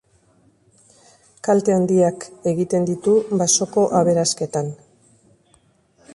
Kalte handiak egiten ditu basoko aberasketan.